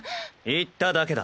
言っただけだ。